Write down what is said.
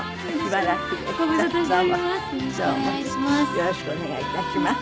よろしくお願いします。